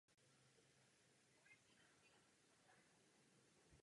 Co přesně přinesou do našeho evropského klubu?